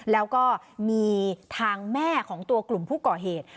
แล้วก็มีทางแม่ของตัวกลุ่มผู้ก่อเหตุ